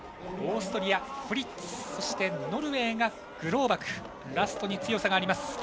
オーストリア、フリッツノルウェーがグローバクラストに強さがあります。